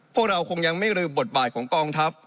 พวกเราคงยังไม่ลืมบทบาทของกองทัพ